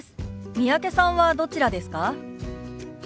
三宅さんはどちらですか？